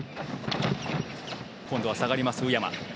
今度は下がります、宇山。